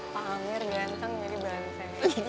pak amir ganteng jadi banteng